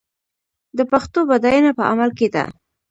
د پښتو بډاینه په عمل کې ده.